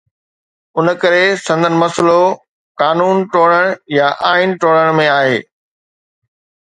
ان ڪري سندن مسئلو قانون ٽوڙڻ يا آئين ٽوڙڻ ۾ آهي.